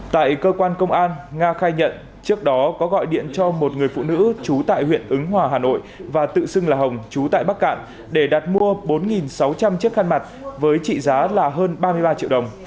tại cơ quan công an nga khai nhận trước đó có gọi điện cho một người phụ nữ trú tại huyện ứng hòa hà nội và tự xưng là hồng chú tại bắc cạn để đặt mua bốn sáu trăm linh chiếc khăn mặt với trị giá là hơn ba mươi ba triệu đồng